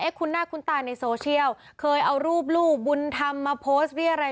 คุณหน้าคุณตาในโซเชียลเคยเอารูปลูกบุญธรรมมาโพสต์เรียอะไร